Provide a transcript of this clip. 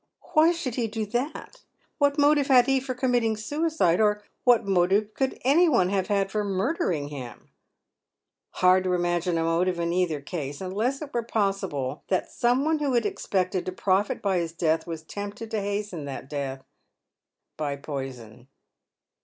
" Why should he do that ? What motive had he for com* mitting suicide ? Or what motive could any one have had for murdering him ?"" Hard to imagine a motive in either case. Unless it were Dark SurmiseBt 899 possible that some one who expected to profit by his death was tempted to hasten that death by poison."